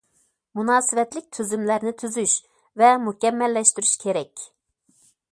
مۇناسىۋەتلىك تۈزۈملەرنى تۈزۈش ۋە مۇكەممەللەشتۈرۈش كېرەك.